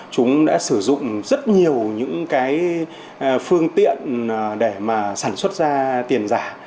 chúng đã sử dụng rất nhiều những cái phương tiện để mà sản xuất ra tiền giả